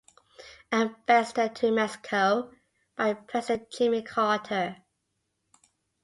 Ambassador to Mexico by President Jimmy Carter.